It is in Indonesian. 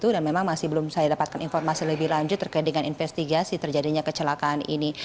dan memang masih belum saya dapatkan informasi lebih lanjut terkait dengan investigasi terjadinya kecelakaan ini